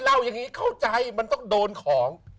เล่าอย่างนี้เข้าใจมันต้องโดนของ